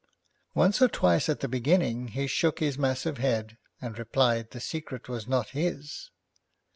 Once or twice at the beginning he shook his massive head, and replied the secret was not his.